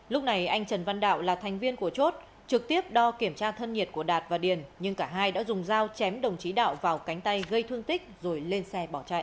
lúc này anh trần văn đạo là thành viên của chốt trực tiếp đo kiểm tra thân nhiệt của đạt và điền nhưng cả hai đã dùng dao chém đồng chí đạo vào cánh tay gây thương tích rồi lên xe bỏ chạy